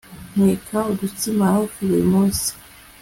Nteka udutsima hafi buri munsi